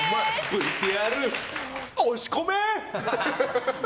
ＶＴＲ、押し込め！